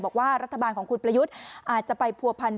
บอกว่ารัฐบาลของคุณประยุทธ์อาจจะไปผัวพันธ